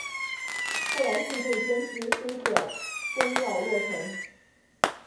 后来信众捐资兴建宫庙落成。